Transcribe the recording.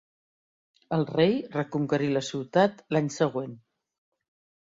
El rei reconquerí la ciutat l'any següent.